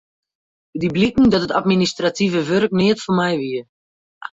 It die bliken dat dat administrative wurk neat foar my wie.